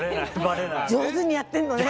上手にやってるのね。